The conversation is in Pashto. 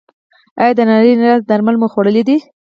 ایا د نري رنځ درمل مو خوړلي دي؟